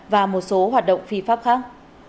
và một số hoạt động phi pháp khác